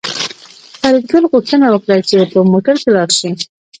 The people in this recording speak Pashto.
فریدګل غوښتنه وکړه چې په موټر کې لاړ شي